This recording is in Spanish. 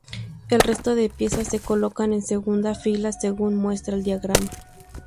El resto de piezas se colocan en segunda fila según muestra el diagrama.